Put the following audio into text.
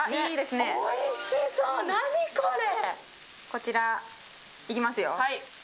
こちら、行きますよ。